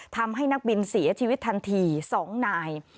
ทำให้นักบินเสียชีวิตทันที๒นาย